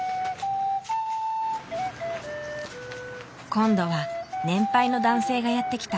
今度は年配の男性がやって来た。